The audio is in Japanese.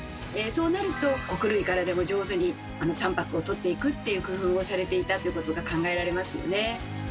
そうなると穀類からでも上手にタンパクをとっていくっていう工夫をされていたということが考えられますよね。